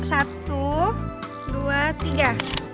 satu dua tiga